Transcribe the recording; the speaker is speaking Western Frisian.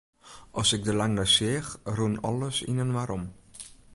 As ik der lang nei seach, rûn alles yninoar om.